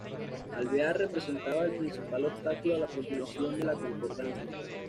Alvear representaba el principal obstáculo a la continuación de la Concordancia.